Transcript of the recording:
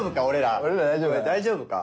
俺ら大丈夫？